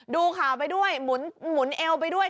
ดูข่าวไปด้วยหมุนเอวไปด้วย